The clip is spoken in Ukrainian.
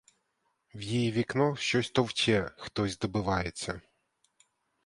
В її вікно щось товче, хтось добивається.